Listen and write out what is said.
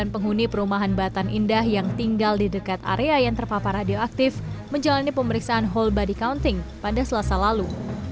delapan penghuni perumahan batan indah yang tinggal di dekat area yang terpapar radioaktif menjalani pemeriksaan whole body counting pada selasa lalu